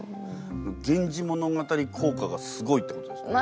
「源氏物語」効果がすごいってことですよね。